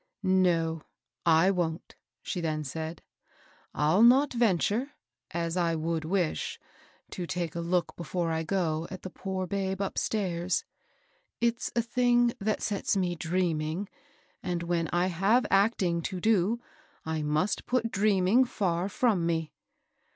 No, I wont I she then said ;1*11 not ven» ture, as I would wish, to take a look before I go at the poor babe upstairs. It's a thing that sets me dreaming; and when I have act ing to do, I must put dreaming fiur firom me.